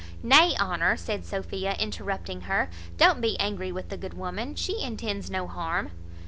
"Nay, Honour," said Sophia, interrupting her, "don't be angry with the good woman; she intends no harm."